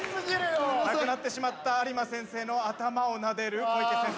亡くなってしまった有馬先生の頭をなでる小池先生。